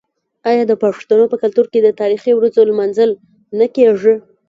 آیا د پښتنو په کلتور کې د تاریخي ورځو لمانځل نه کیږي؟